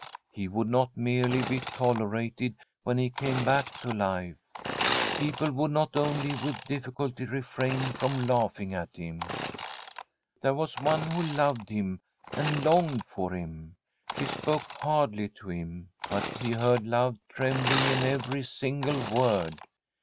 He would not mcrt^lv \^ tv^^erated when he came back to 1 13a] The STOkY 0f a COUNTRY HOOsE life ; people would not only with difficulty refrain from laughing at him. There was one who loved him and longed for him. She spoke hardly to him, but he heard love trembling in every single word.